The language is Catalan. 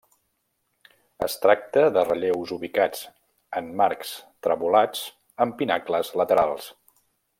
Es tracta de relleus ubicats en marcs trevolats amb pinacles laterals.